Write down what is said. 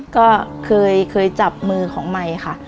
ก็เคยจับมือของไมค์ค่ะ